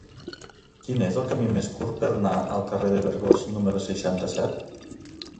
Quin és el camí més curt per anar al carrer dels Vergós número seixanta-set?